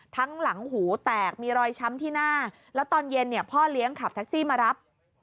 หลังหูแตกมีรอยช้ำที่หน้าแล้วตอนเย็นเนี่ยพ่อเลี้ยงขับแท็กซี่มารับ